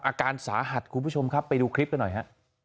อาการสาหัสคุณผู้ชมครับไปดูคลิปกันหน่อยฮะ